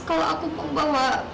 kalau aku membawa